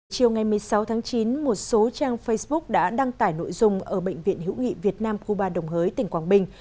chiều ngày một mươi sáu tháng chín một số trang facebook đã đăng tải nội dung ở bệnh viện hữu nghị việt nam cuba đồng hới tỉnh quảng bình